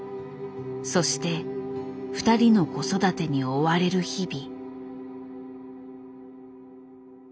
そして２人の子育てに追われる日々。